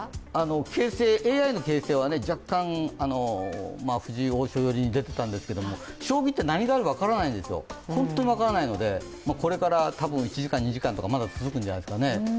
ＡＩの形勢は若干藤井王将に出ていたんですけど将棋って何があるか分からないんですよ、本当に分からないのでこれから多分、１時間、２時間とか続くんじゃないですかね。